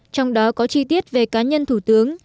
trong đó có chi tiết về cá nhân thủ tướng